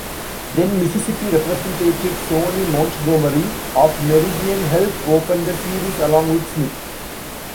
Then-Mississippi Representative Sonny Montgomery of Meridian helped open the series along with Smith.